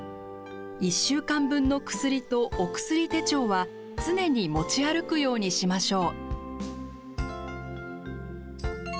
１週間分の薬とお薬手帳は常に持ち歩くようにしましょう。